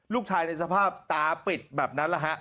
ลูกชายในสภาพตาปิดแบบนั้นนะฮะ